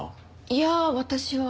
いや私は。